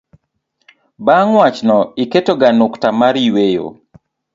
bang' wach no, iketo ga nukta mar yueyo